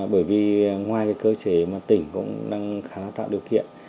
bởi vì ngoài cái cơ chế mà tỉnh cũng đang khá tạo điều kiện